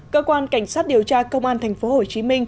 cơ quan cảnh sát điều tra công an tp hcm